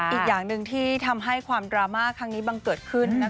อีกอย่างหนึ่งที่ทำให้ความดราม่าครั้งนี้บังเกิดขึ้น